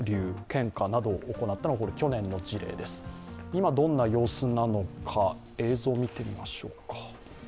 今どんな様子なのか映像を見てみましょう。